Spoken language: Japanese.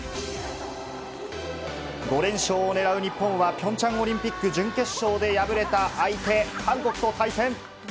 ５連勝を狙う日本は平昌オリンピック準決勝で敗れた相手韓国と対戦。